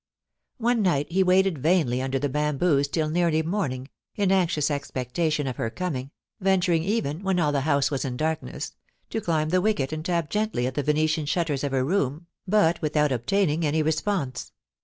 One night he waited vainly under the bamboos till nearly morning, in anxious expectation of her coming, venturing even, when all the house was in darkness, to climb the wicket and tap gently at the Venetian shutters of her room, but without obtaining any response.